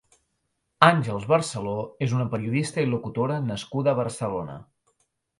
Àngels Barceló és una periodista i locutora nascuda a Barcelona.